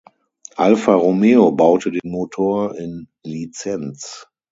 Alfa Romeo baute den Motor in Lizenz.